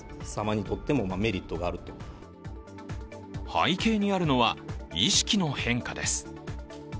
背景にあるのは、意識の変化です。